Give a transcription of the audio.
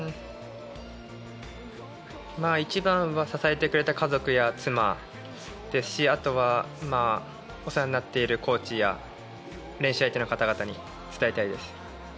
一番は支えてくれた家族や妻ですしあとは、お世話になっているコーチや練習相手の方々に伝えたいです。